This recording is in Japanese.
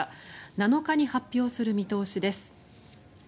７日に発表する見通しです。